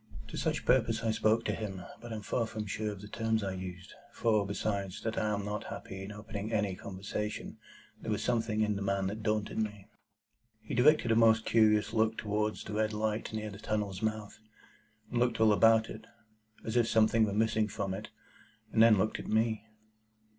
To such purpose I spoke to him; but I am far from sure of the terms I used; for, besides that I am not happy in opening any conversation, there was something in the man that daunted me. He directed a most curious look towards the red light near the tunnel's mouth, and looked all about it, as if something were missing from it, and then looked at me.